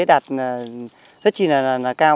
đạt rất chi là cao